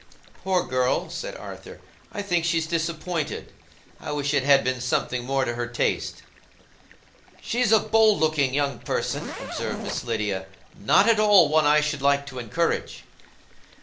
"Poor girl," said Arthur; "I think she's disappointed. I wish it had been something more to her taste." "She's a bold looking young person," observed Miss Lydia. "Not at all one I should like to encourage."